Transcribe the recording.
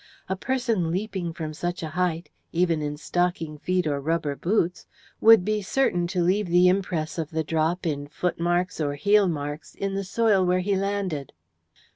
A person leaping from such a height, even in stocking feet or rubber boots, would be certain to leave the impress of the drop, in footmarks or heelmarks, in the soil where he landed.